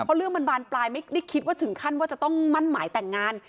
เพราะเรื่องมันบานปลายไม่ได้คิดว่าถึงขั้นว่าจะต้องมั่นหมายแต่งงาน